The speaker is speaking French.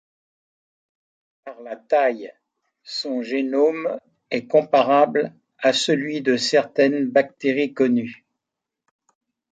Par la taille, son génome est comparable à celui de certaines bactéries connues.